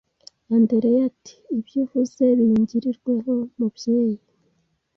Andereya ati: “Ibyo uvuze bingirirweho” mubyeyi